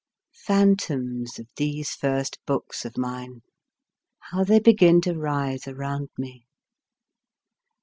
Phantoms of these first books of mine, how they begin to rise around me